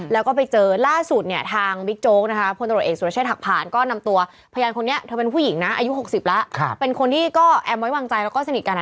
แล้วก็ไปเจอล่าสุดเนี่ยทางวิทโจ๊กโพนตรดเอก